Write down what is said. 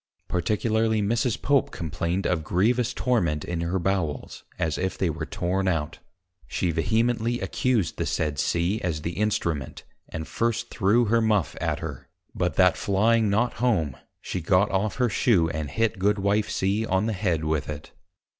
Particularly Mrs. Pope complained of grievous Torment in her Bowels, as if they were torn out. She vehemently accused the said C. as the Instrument, and first threw her Muff at her; but that flying not home, she got off her shoe, and hit Goodwife C. on the Head with it.